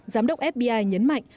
giám đốc fbi nhấn mạnh